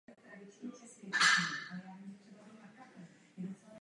Stávka může být vyhlášena jako krajní prostředek ve sporu o uzavření kolektivní smlouvy.